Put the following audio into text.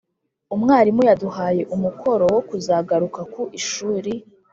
umwarimu yaduhaye umukoro wo kuzagaruka ku ishuri